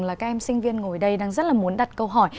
là các em sinh viên ngồi đây đang rất là muốn đặt câu hỏi